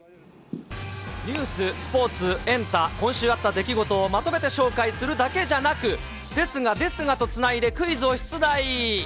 ニュース、スポーツ、エンタ、今週あった出来事をまとめて紹介するだけじゃなく、ですが、ですがとつないで、クイズを出題。